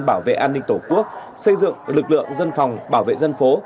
bảo vệ an ninh tổ quốc xây dựng lực lượng dân phòng bảo vệ dân phố